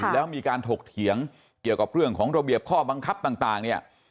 แล้วมีการถกเถียงเกี่ยวกับเรื่องของระเบียบข้อบังคับต่างเนี่ย